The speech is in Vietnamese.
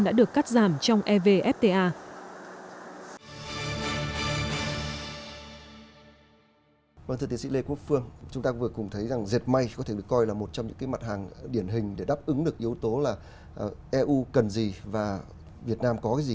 đã được cắt giảm trong evfta